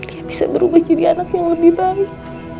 dia bisa berubah jadi anak yang lebih baik